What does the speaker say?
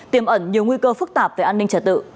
tiềm ẩn nhiều nguy cơ phức tạp về an ninh trả tự